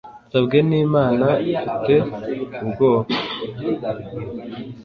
Nsabwe n'Imana Mfite ubwoba